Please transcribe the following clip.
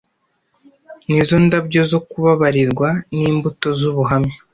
nizo ndabyo zo kubabarirwa nimbuto z ubuhamya